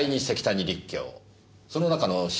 その中の新